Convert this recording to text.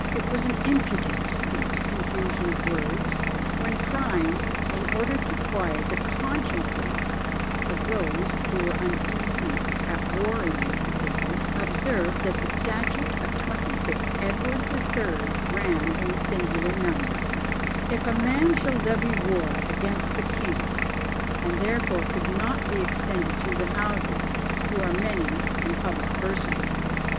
It was an impudent "confusion of words" when Prynne (in order to quiet the consciences of those who were uneasy at warring with the king) observed that the statute of twenty fifth Edward the Third ran in the singular number "If a man shall levy war against the king, and therefore could not be extended to the houses, who are many and public persons."